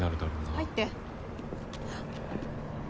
入って。